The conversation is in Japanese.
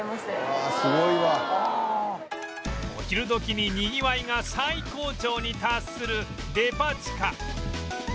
お昼時ににぎわいが最高潮に達するデパ地下